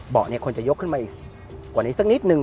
เบาะเนี่ยควรจะยกขึ้นมาอีกกว่านี้สักนิดนึง